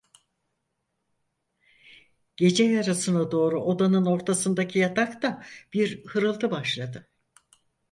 Gece yarısına doğru odanın ortasındaki yatakta bir hırıltı başladı.